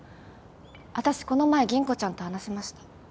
私この前吟子ちゃんと話しました。